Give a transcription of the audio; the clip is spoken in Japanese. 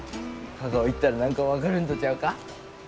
香川行ったら何か分かるんとちゃうか？